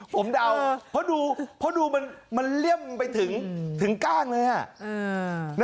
ผมเดาเพราะดูมันเลี่ยมไปถึงกล้างเลย